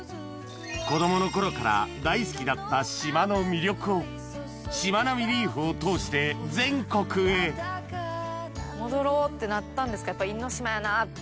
子供の頃から大好きだった島の魅力をしまなみリーフを通して全国へやっぱ因島やなって。